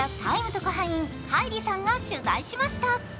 特派員、カイリさんが取材しました。